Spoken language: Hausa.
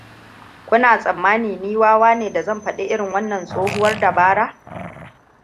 Kuna tsammani ni wawa ne da zan faɗi irin wannan tsohuwar dabara?